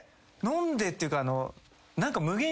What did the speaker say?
飲んでというか。